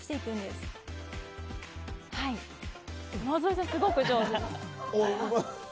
すごくお上手。